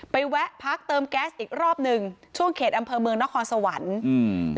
แวะพักเติมแก๊สอีกรอบหนึ่งช่วงเขตอำเภอเมืองนครสวรรค์อืม